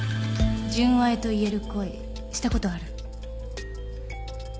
純愛と言える恋したことある？